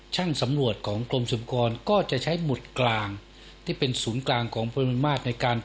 ช่างสำรวจของกรมศิลปากร